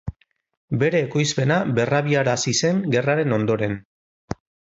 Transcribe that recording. Bere ekoizpena berrabiarazi zen gerraren ondoren.